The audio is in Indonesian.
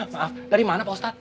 maaf dari mana pak ustadz